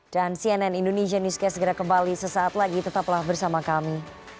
dan cnn indonesian newscast segera kembali sesaat lagi tetaplah bersama kami